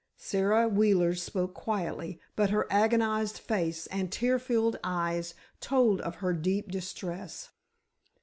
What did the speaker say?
Sara Wheeler spoke quietly, but her agonized face and tear filled eyes told of her deep distress.